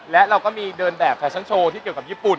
และเราก็มีเดินแบบแฟชั่นโชว์ที่เกี่ยวกับญี่ปุ่น